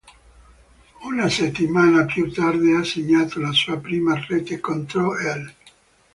Una settimana più tardi ha segnato la sua prima rete contro l'.